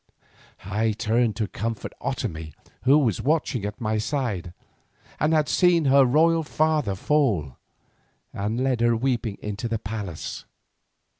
I turned to comfort Otomie, who was watching at my side, and had seen her royal father fall, and led her weeping into the palace.